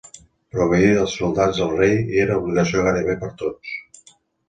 Proveir de soldats al rei era obligació gairebé per tots.